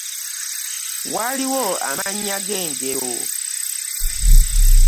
Waliwo amannyo gengero.